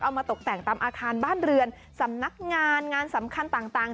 มาตกแต่งตามอาคารบ้านเรือนสำนักงานงานสำคัญต่าง